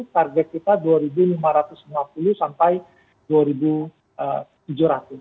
target kita rp dua lima ratus lima puluh sampai rp dua tujuh ratus